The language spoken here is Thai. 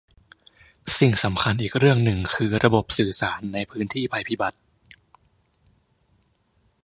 สิ่งสำคัญอีกเรื่องหนึ่งคือระบบสื่อสารในพื้นที่ภัยพิบัติ